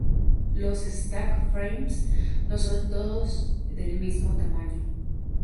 Los "stack frames" no son todos del mismo tamaño.